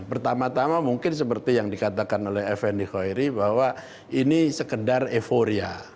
pertama tama mungkin seperti yang dikatakan oleh fnd hoiri bahwa ini sekedar euforia